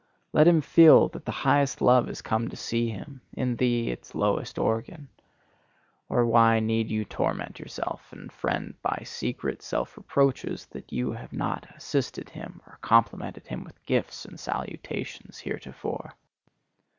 Let him feel that the highest love has come to see him, in thee its lowest organ. Or why need you torment yourself and friend by secret self reproaches that you have not assisted him or complimented him with gifts and salutations heretofore?